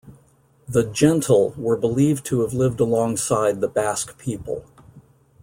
The "jentil" were believed to have lived alongside the Basque people.